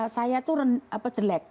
saya itu jelek